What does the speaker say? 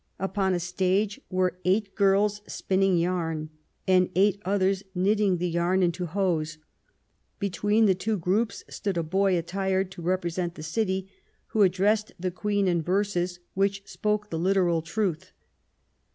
Upon a stage were eight girls spinning yam, and eight others knitting the yarn into hose : between the two groups stood a boy attired to represent the city, who addressed the Queen in verses which spoke the literal truth :— II i62 QUEEN ELIZABETH.